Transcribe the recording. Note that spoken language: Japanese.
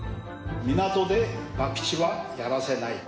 港でばくちはやらせない。